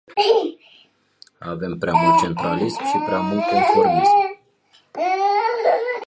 Avem prea mult centralism și prea mult conformism.